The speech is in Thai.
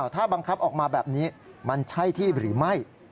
ถ้าบังคับออกมาแบบนี้มันใช่ที่หรือไม่